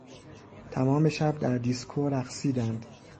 تمام شب در دیسکو رقصیدند.